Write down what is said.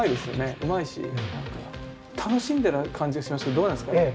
うまいし楽しんでる感じがしますけどどうなんですか？